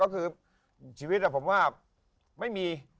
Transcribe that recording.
ก็คือชีวิตผมว่าไม่มี